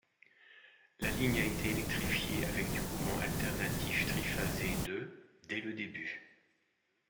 La ligne a été électrifiée avec du courant alternatif triphasé de dès le début.